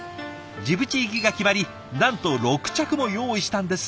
ジブチ行きが決まりなんと６着も用意したんですって。